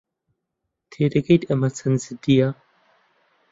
تێدەگەیت ئەمە چەند جددییە؟